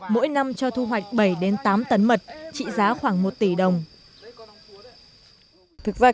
mỗi năm cho thu hoạch bảy tám tấn mật trị giá khoảng một tỷ đồng